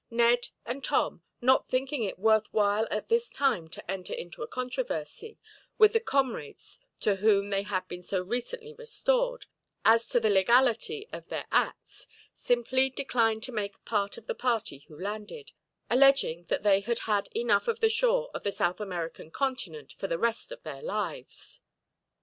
Ned and Tom, not thinking it worth while at this time to enter into a controversy, with the comrades to whom they had been so recently restored, as to the legality of their acts, simply declined to make part of the party who landed; alleging that they had had enough of the shore of the South American continent for the rest of their lives.